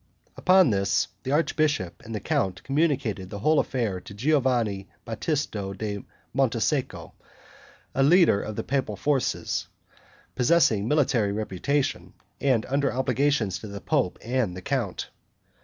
Upon this, the archbishop and the count communicated the whole affair to Giovanni Batista da Montesecco, a leader of the papal forces, possessing military reputation, and under obligations to the pope and the count.